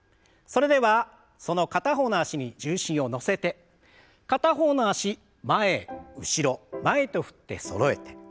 それではその片方の脚に重心を乗せて片方の脚前後ろ前と振ってそろえて。